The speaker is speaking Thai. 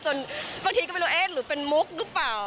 บางทีก็ไม่รู้เอ๊ะหรือเป็นมุกหรือเปล่า